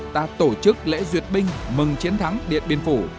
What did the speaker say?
ta tổ chức lễ duyệt binh mừng chiến thắng điện biên phủ